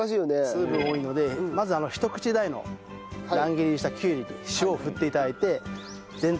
水分多いのでまずひと口大の乱切りにしたきゅうりに塩を振って頂いて全体になじませ約５分。